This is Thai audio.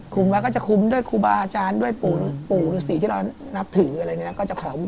คุมไว้ก็จะคุมด้วยครูบาอาจารย์ด้วยปู่ศรีที่เรานับถืออะไรแบบนี้นะ